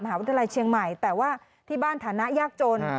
วิทยาลัยเชียงใหม่แต่ว่าที่บ้านฐานะยากจน